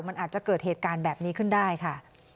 มันอาจจะเกิดเหตุการณ์แบบนี้ขึ้นได้ค่ะ